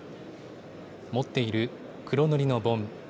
持っている黒塗りの盆。